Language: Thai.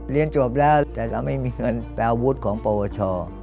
เรียนจบแล้วแต่เราไม่มีเงินไปอาวุธของปวช